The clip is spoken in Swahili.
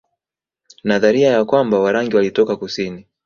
Nadharia ya kwamba Warangi walitoka kusini